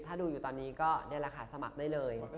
ค่ะก็ถ้าดูอยู่ตอนนี้ก็ได้รักษาสมัครได้เลย